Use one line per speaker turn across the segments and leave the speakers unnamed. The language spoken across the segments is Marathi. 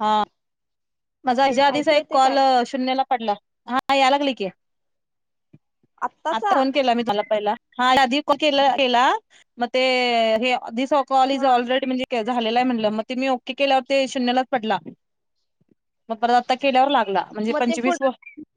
हा माझा ह्या आधीचा
ऐकू
एक
येते
कॉल
काय
शून्यला पडला हा या लागली की आता
आत्ताचा
फोन केला मी तुला पहिला हा आधी के केला मग ते हे दिस कॉल इज
हा
ऑलरेडी म्हणजे झालेला हाय म्हटलं मग ते मी ओके केल्या होते शून्यलाच पडला मग परत आता केल्यावर लागला म्हणजे पंचवीस व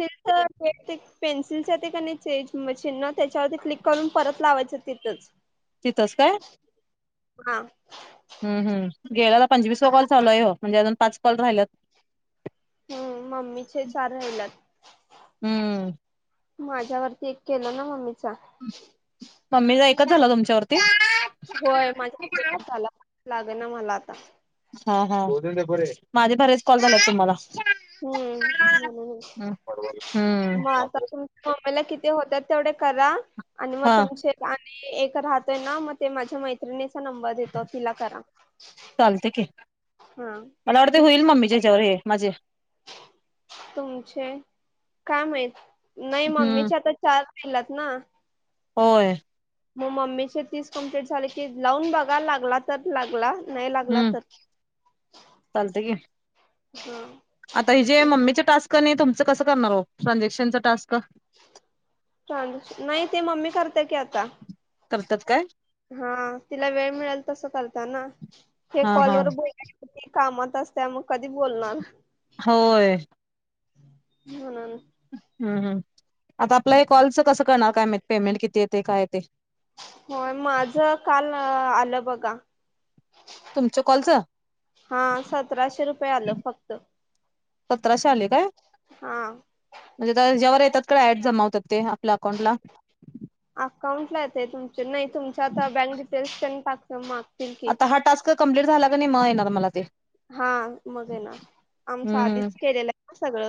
पेन्सिल पेन्सिलच्या ते आणि चेज मशीन ना त्याच्यावरती क्लिक करून परत लावायचं तिथंच.
तिथच काय
हा
हम्म हम्म. गेल्याला पंचवीस कॉल चालू आहे हो म्हणजे अजून पाच कॉल राहिलात.
हम्म मम्मीचे चार राहिल्यात
हम्म
माझ्यावरती एक केलं ना मम्मीचा
मम्मी एक झाला तुमच्यावरती
देना मला आता
हा हा माझे बरच कॉल झाले तुम्हाला
हम्म म्हणून मग
हम्म
आता तुमच्या मोबाईल किती होतात तेवढे करा आणि मग
हा
तुमचे आणि एक राहतोय ना मग ते माझ्या मैत्रिनि चा नंबर देतो तिला करा
चालते की
हा
मला आवडते होईल
तिला
मम्मीच्या
पण
ह्याच्यावर हे माझे
तुमचे काय माहित नाही
हम्म
मम्मीचे आता चार केलात ना
होय
मग मम्मीचे तीस कम्प्लीट झाले की लावून बघा लागला तर लागला नाही लागला
हम्म
तर
चालतंय की
ह
आता हि जे मम्मीचं टास्क नाही तुमचं कसं करणार हो ट्रानझॅक्शनचं टास्क
ट्रान्सक्शनं नाही ते मम्मी करते की आता.
करत्यात काय.
हा तिला वेळ मिळेल तस करतीया ना हे
हा हा
कॉलवर बोलायचं ते कामात अस्तिया मग कधी बोलणार?
होय.
म्हणून.
हम्म हम आता आपल्या हे कॉलचं कसं करणार काय पेमेंट किती येते काय येते.
होय माझं काल आलं बघा.
तुमच्या कॉलचं
हा सतराशे रुपये आलं फक्त.
सतराशे आले काय
हा
म्हणजे ज्यावर. त्या ऍड जमावतात ते आपल्या अकाउंट ला
अकाउंट ला येत तुमच नाही तुमच आता बँक डिटेल्स [unintelligible] टाकत मग.
आता हा टास्क कम्प्लीट झाला का नाही म येणार मला ते.
हा मग येणार.
हम्म हम्म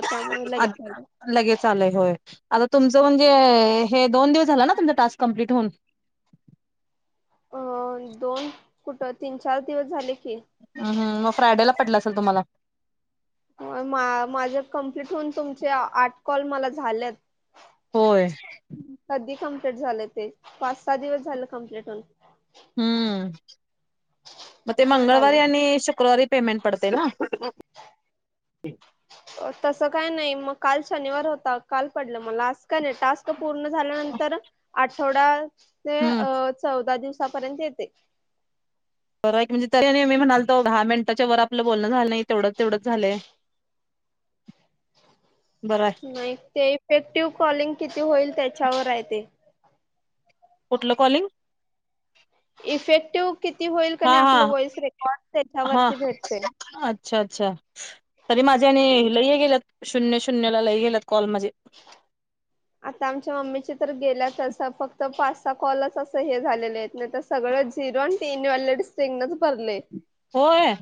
त्यामुळे
आड
लगेच आलं.
लगेच आलय होय आता तुमच म्हणे हे दोन दिवस झालं ना तुमचं तास कम्प्लीट होऊन?
हो दोन कुठं तीन चार दिवस झाले की.
हम्म हम्म मग फ्रायडे ला पटल असेल तुम्हाला.
मा मा माझे कम्प्लीट होऊन तुम्हाला आठ कॉल मला झालेत.
होय
कधी कमप्लीट झालं ते पाच सहा दिवस झालं कमप्लीट होऊन.
हम्म मग ते मंगळवारी आणि शुक्रवारी. पेमेंट पडतंय न?
तसं काय नाही मग काल शनिवार होता काल पडलं मला आज काय नाही टास्क पूर्ण झाल्यानंतर आठवडा ते
हम्म
चौदा दिव सा पर्यंत येते.
[unintelligible] म्हणाल. दहा मिनिटाच्या वर आपलं बोलणं झालं नाही तेवढंच तेवढंच झालं. [inaudible]
नाही ते इफेक्टिव्ह कॉलिंग किती होईल त्याच्यावर आहे ते.
कुठलं कॉलिंग?
इफेक्टिव्ह. किती होईल का
हा
नाही आपलं
हा
व्हॉइस रेकॉर्ड
हा
त्याच्यावरती भेटते.
अच्छा अच्छा! तरी माझ्याने
हम्म.
लई गेल्यात शून्य शून्यला लई गेल्यात. कॉल माझे
आता आमच्या मम्मी ची तर गेल्या तस फक्त पाच सहा कॉलच असं हे झालेले आहेत. नाही तर सगळं झिरो अन तीन वाले सिग्नच भरलय.
होय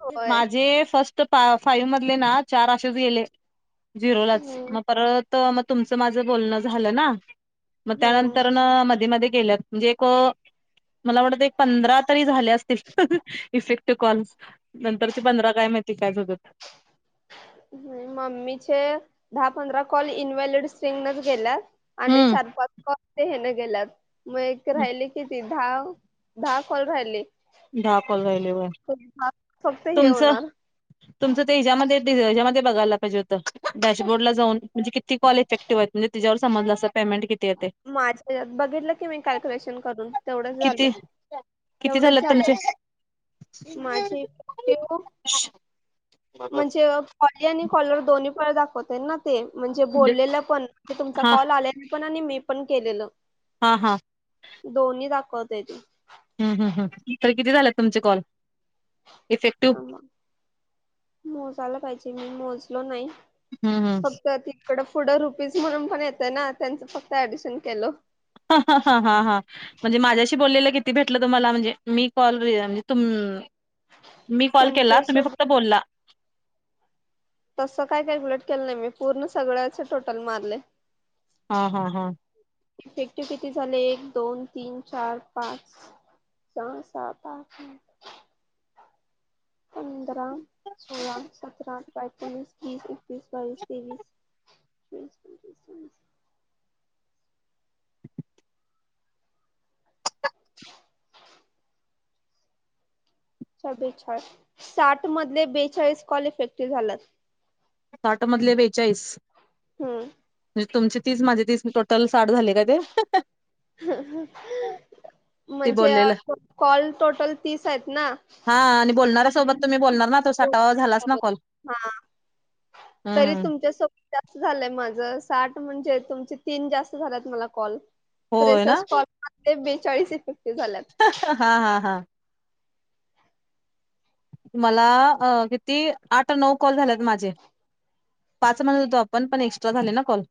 होय
माझे फस्ट फाईव म [unintelligible] चार असच गेले जिरो लाच
हम्म
मग परत त मग तुमचं आणि माझं बोलणं झालं ना मग त्यामध्ये
हम्म
न मध्ये मध्ये गेलेत म्हणजे एक मला वाटते एक पंधरा तरी झाले असतील. इफेक्टिव कॉल नंतर चे पंधरा काय माहिती काय बघत?
मम्मीचे दहा पंधरा कॉल इनव्हलिड स्टीगनच गेल्यात. आणि
हम्म
चार पाच कॉल ते ह्यांन गेल्यात म एक राहिली किती? दहा दहा कॉल राहिली.
दहा कॉल राहिले व.
फक्त हे
तुमचं
होणार
तुमचं ते हिचामधे याच्यामध्ये बघायला पाहिजे होतं डॅशबोर्डला जाऊन म्हजे किती कॉल इफेक्टिव्ह आहेत म्हजे तीच्यावर समजलं असं पेमेंट किती येते
माझ्या ह्याच्यात बघितलं की मी कॅल्क्युलेशन करून.. तेवढंच झालं
किती किती
तेवढंच
झालेत
झालं.
तुमचे
माझी पिऊ म्हणजे अ कॉली आणि कॉलर दोन्ही ळ दाखवतोय न ते म्हणजे बोललेलं पण की तुमचा
हा
कॉल आलेला पण आणि मी पण केलेलं.
हा हा
दोन्ही दाखवते ते
हम्म हम्म हम्म तरी किती झालेत तुमचे कॉल? इफेक्टिव्ह
ह मोजाला पाहिजे मी मोजलो नाही.
हम्म हम्म
इकड पुढं रुपीज म्हणून पण येतय ना त्यांचं फक्त ऍडिशन केलं.
हा हा हा हा हा म्हणजे माझ्याशी बोललेलं किती भेटलं तुम्हाला म्हणजे मी कॉल [unintelligible] म्हणजे तुम मी कॉल केला तुम्ही फक्त
तुमच्यासोबत
बोला.
तसं काय कॅल्क्युलेट केलं नाही मी पूर्ण सगळ्याच टोटल मारले.
हा हा हा
इफेक्टिव किती झाले एक दोन तीन चार पाच जा सा पा का पंधरा सोळा सतरा पैतीस बीसस ीस बावीस तेवीस चोवीस, पंचवीस, सव्वीस अच्छा बेचाळीस साठ मधले बेचाळीस कॉल इफेक्टिव्ह झालात
साठ मधले बेचाळीस
हम्म
म्हणजे तुमचे तीस माझे तीस टोटल साठ झाले का ते ते
म्हणजे
बोललेलं
कॉल टोटल तीस आहेत ना
हा आणि बोलणाऱ्यासोबत तुम्ही बोलणार ना तो
मग
साठावा झालाच ना कॉल
हा तरी
हम्म
तुमच्यासोबत जा झालंय माझं साठ म्हणजे तुमचे तीन जास्त झात मला कॉल
होय
तेस
ना
कॉल ते बेचाळीस इप
हा हा हा मला अ किती आठ नऊ कॉल झालेत माझे पाच म्हणत होतो आपण पण एक्स्ट्रा झाले ना कॉल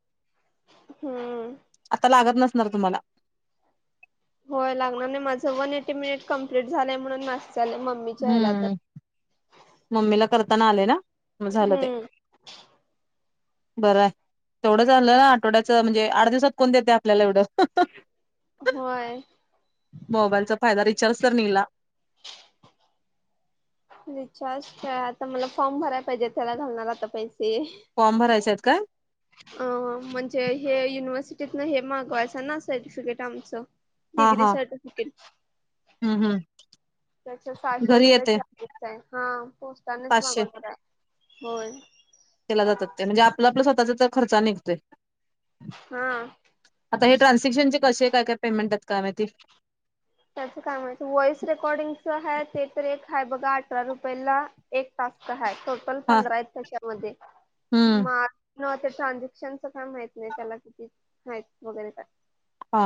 हम्म
नत मला
होय लागणार नाही माझं वन एटी मिनिट कम्प्लीट झालंय म्हणून ले मम्मीच्या ह्याला तर
हम्म मम्मीला करताना आलंय ना म झालं ते
हम्म
बरं आहे, तेवढं आणलय ना आठवड्याच म्हणजे आठ दिवसात कोण देते आपल्याला एवढं
होय
मोबाईलचा फायदा रिचार्ज तर निघला
रिचार्ज आता मला फॉर्म भरायला पाहिजे त्याला घालणार आता पैसे
फॉर्म भरायच्यात का
अ म्हणजे हे युनिव्हर्सिटीतन हे मागवायचं ना सर्टिफिकेट आमच
हा
डग्री
हा
सर्टिफिकेट
हम्म हम्म
त्याच्या सहाशे
घरी
रुपये
येते
चार्जेस आहे हा पोचतानाच मागवणार आहे होय
केला जातात ते म्हणजे आपलं आपलं स्वतःचा खर्च निघतो
हा
आता हे ट्रान्सॅक्शनचे कसे काय काय पेमेंट आहेत काय मा ते
त्याचं काय माहिती हाय बघा अठरा रुपये ला एक तासक ह टोटल
हा
पंधरा आहेत तशामध्ये
हम्म
म न ते ट्रानझॅक्शनच काय माहित नाही त्याला किती मा वगैरे का
हा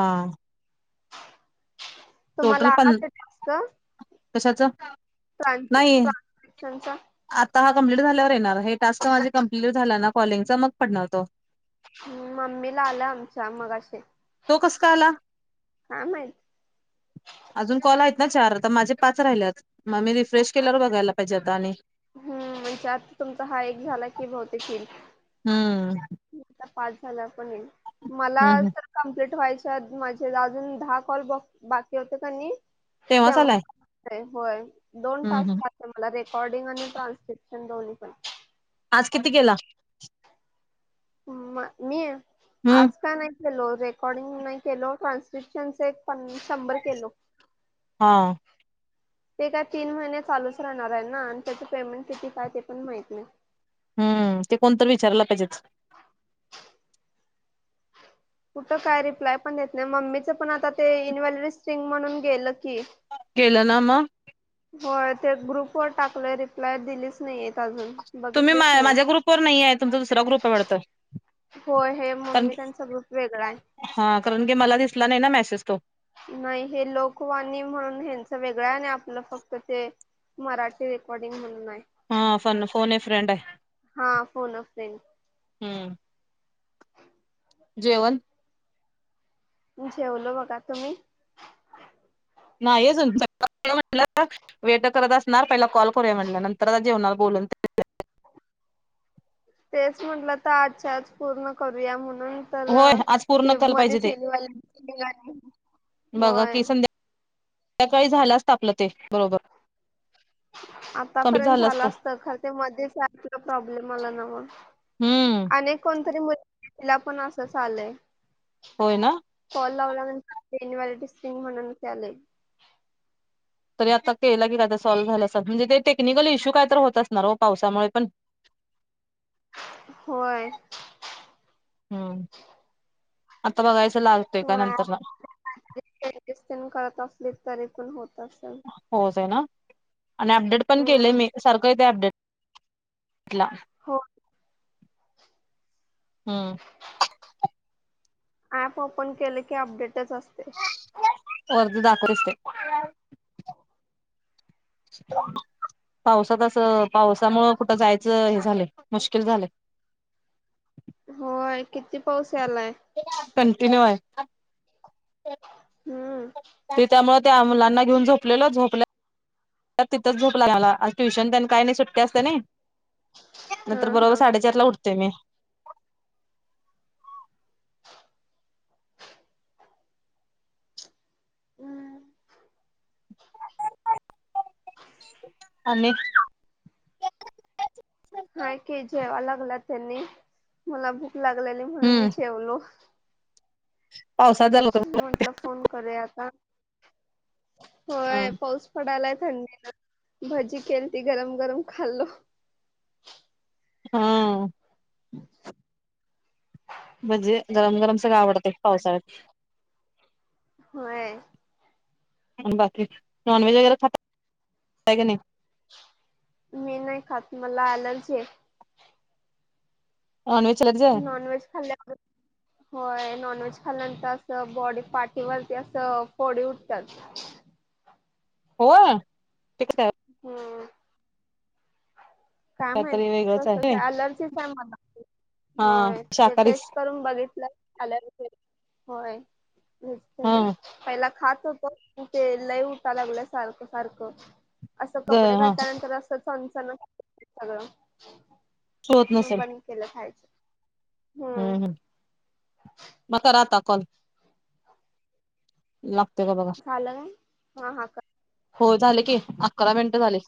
तुम्हाला आला जास्त
कशाचं?
[unintelligible]
आता हा कंप्लीट झाल्यावर येणार आहे हे टास्क माझे कंप्लीट झाले ना कॉलिंगचे मग पडणार तो
मम्मी ला आलं आमच्या मगाशी
तो कस का आला?
काय माहित
अजून कॉल हाय ना चार आता माझे पाच राहिलेत मग मी रिफ्रेश केल्यावर बघायला पाहिजे आता आणि
च्यात तुमचा हा एक झाला की बहुतेक येईल
हम्म.
आता पास झाला पण येईल मला
हम्म हम्
तर कंप्लीट व्हायच्या म्हणजे अजून दहा कॉल बाकी होते कनी
तेव्हाच आलाय
व्हय दोन
हम्म हम्
टास्क आले मला रेकॉर्डिंग आणि ट्रान्स्क्रिप्शन दोन्ही पण
आज किती केला?
अम मी
हम्म
आज का नाही लो रेकॉर्डिंग नाही केलो. ट्रान्स्क्रिप्शन एक पन शंभर केलो
हा
ते काय तीन महिने चालूच राहणार आहे ना आणि त्याची पेमेंट किती काय ते पण माहित नाही
हम्म ते कोणतर विचारलं पाहिजे
कुठ काय रिप्लाय पण देत नाही. मम्मीच पण आता ते इन्व्हॉलिड स्टिंग म्हणून गेलं की
गे लं ना मगं
होय ते ग्रुपवर टाकलं रिप्लाय दिलीच नाहीयेत अजून
तुम्ही मा
बघितलेच नाही.
माझ्या ग्रुपवर नाहिये. तुमचा दुसरा ग्रुप हाय वाटत
होय हे
कारण
मम्मी त्यांचा ग्रुप वेगळा आहे.
हा कारण की मला दिसला नाही ना मेसेज तो
नाही हे लोकवाणी म्हणून ह्यांचा वेगळा आनी आपलं फक्त ते मराठी रेकॉर्डिंग म्हणू
हा फन फोन अ फ्रंड आहे
हा, फोन अ फ्रेंड
हम्म जेवण
जेवलो बघा आता मी
नाही अजून [unintelligible] वेट करत अस असणार पहिला कॉल करूया म्हणलं नंतर आ जेवणार बोलून
तेच म्हटलं तर आजच्या आज पूर्ण करूया म्हणून नंतर
होय आज पूर्ण
ते
केलं पाहिजे ते
मध्ये इन्व्हेलिड [unintelligible] होय
त्या काळी झाला असत आपल ते बरोबर. कम्प्लीट
आतापर्यंत
झालं
झाला
असतं
असत खर ते मध्येच अँप ला प्रॉब्लेम आला न्हवं.
हम्म
आणि एक कोणतरी मुलीला तिला पण असंचं आलंय
होय ना
[unintelligible] इन्वलिड स्क्रीन म्हणून इथं आलंय.
तरी आता तेला की कायदा सॉल्व्ह झालं असल म्हणजे ते टेक्निकल इश्यू काय तर होत असणार हो पावसामुळे पण [inaudible]
होय.
हम्म. आता बघायच
हा [unintelligible] करत असली तरी पण होत असल.
होत आहे ना आणि अपडेट पण केले
हम्म
मी सारखं येत अपडेट ला
हो
हम्म.
ऍप ओपन केले की अपडेटच असतयं
सारखं दाखवत असतयं पावसात असं पावसामुंळ कुठं जायचं हे झालं मुश्किल झालयं [unintelligible]
होय किती पाऊस यालाय.
[unintelligible]
हम्म
ते त्यामुळ त्या मुलांना घेऊन झोपलेलं झोपल्या. तर तिथंच झोप लागला. आज ट्युशन त्यां काही नाही सुट्टी असतं ना. नंतर बरोबर
हा
साडेचार ला उठतोय मी.
हा.
आणि
हा की जेवा लागला त्यांनी मला भूक लागलेली म्हणून मी
हम्म
जेवलो.
पावसात झालं
म्हटलं फोन करूया आता.
हा
होय पाऊस पडायलाय. थंडी ना भजी खेलती गरम गरम खाल्लो.
हा. म्हणजे गरम गरम सगळं आवडत पावसाळ्यात.
होय.
बाकी नॉनव्हेज वगैर खाता की नाही.
मी नाही खात मला एलर्जी आहे.
नॉनव्हेज
नॉनव्हेज खाल्ल्यावर होय नॉनव्हेज खाल्यानंतर अस बॉडी पाठीवरती अस फोडी उठतात.
होय.
हम्म. काय
काहीतरी
माहिती
वेगळंच
तस
आहे
अलर्जीच आहे मला
हा
होय ते
शाकाहारीच
टेस्ट करून बघितलं झालायत. होय वेट
हा
करिन पहिला खात. ते उठा लागलं सारखं सारखं असं कपडे
हा
घटल्यानंतर अस. सण सण होती सगळं
होत
मग
नसेल
बंद केलं खायचं.
हम्म हम् म का राहता. कॉल लाव. बघा
झालं काय हा हा कर
हो झाले की अकरा मिनिट झाले.